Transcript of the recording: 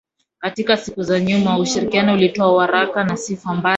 Katika siku za nyuma ushirikiano ulitoa waraka na sifa mbaya zaidi